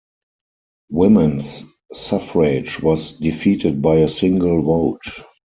Women's suffrage was defeated by a single vote.